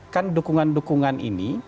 kan dukungan dukungan ini